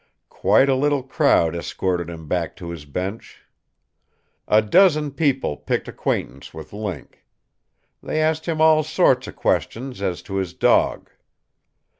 Quite a little crowd escorted him back to his bench. A dozen people picked acquaintance with Link. They asked him all sorts of questions as to his dog.